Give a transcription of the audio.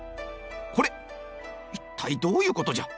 「これっ一体どういうことじゃ。